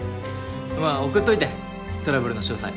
まあ送っといてトラブルの詳細。